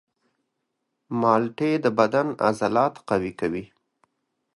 مالټې د بدن عضلات قوي کوي.